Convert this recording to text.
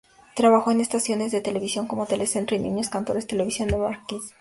Trabajó en estaciones de televisión como Telecentro y Niños Cantores Televisión de Barquisimeto.